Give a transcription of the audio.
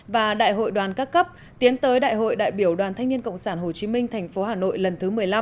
và đại hội đoàn các cấp tiến tới đại hội đại biểu đoàn thanh niên cộng sản hồ chí minh thành phố hà nội lần thứ một mươi năm